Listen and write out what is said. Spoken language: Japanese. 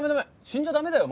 死んじゃだめだよ